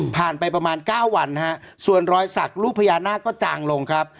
ไปประมาณ๙วันนะฮะส่วนรอยสักรูปพญานาคก็จางลงครับ